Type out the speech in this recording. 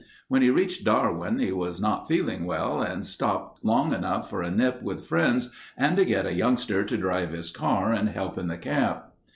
When he reached Darwin he was not feeling well and stopped long enough for a nip with friends and to get a youngster to drive his car and help at the camp.